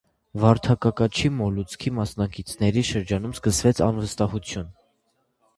Վարդակակաչի մոլուցքի մասնակիցների շրջանում սկսվեց անվստահություն։